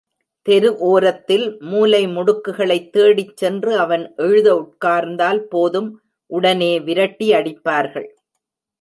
தெரு ஓரத்தில் மூலை முடுக்குகளைத் தேடிச் சென்று அவன் எழுத உட்கார்ந்தால் போதும் உடனே விரட்டி அடிப்பார்கள்.